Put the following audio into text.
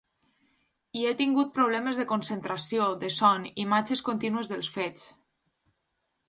I he tingut problemes de concentració, de son, imatges contínues dels fets.